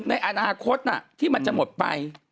ในอนาคตที่มันจะหมดไป